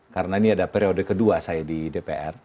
karena ini adalah periode kedua saya di dpr